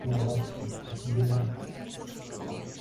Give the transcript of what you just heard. Era la primera vez que dirigió su propio video musical.